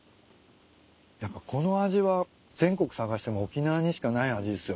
やっぱこの味は全国探しても沖縄にしかない味っすよね。